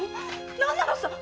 何なのさ⁉